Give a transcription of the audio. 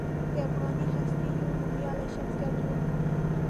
د افغاني هستې یو نومیالی شخصیت و.